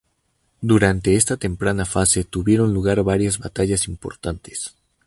Durante esta temprana fase tuvieron lugar varias batallas importantes.